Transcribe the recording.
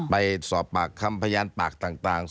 ไปสอบปากคำพยานปากต่าง